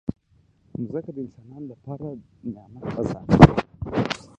مځکه د انسانانو لپاره د نعمت خزانه ده.